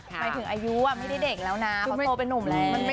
หมายถึงอายุไม่ได้เด็กแล้วนะเขาโตเป็นนุ่มแล้ว